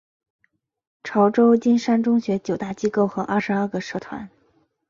潮州金山中学九大机构和二十二个社团。